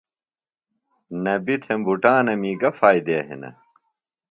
نبی تھےۡ بُٹانَمی گہ فائدے ہِنہ ؟